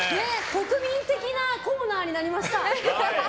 国民的なコーナーになりました。